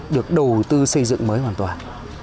được đầu tư xây dựng mới hoàn toàn